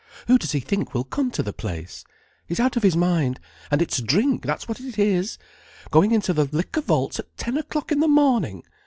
Who does he think will come to the place? He's out of his mind—and it's drink; that's what it is! Going into the Liquor Vaults at ten o'clock in the morning!